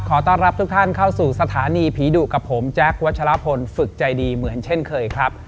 ขอต้อนรับทุกท่านเข้าสู่สถานีผีดุกับผมแจ๊ควัชลพลฝึกใจดีเหมือนเช่นเคยครับ